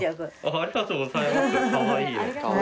ありがとうございます。